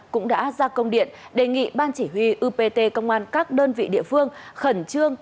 cũng đã ra công điện đề nghị ban chỉ huy upt công an các đơn vị địa phương khẩn trương